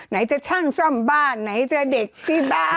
ไหนจะช่างซ่อมบ้านไหนจะเด็กที่บ้าน